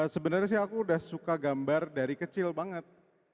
sebenarnya sih aku udah suka gambar dari kecil banget